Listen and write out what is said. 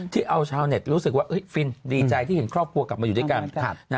ที่เอาชาวเน็ตรู้สึกว่าฟินดีใจที่เห็นครอบครัวกลับมาอยู่ด้วยกัน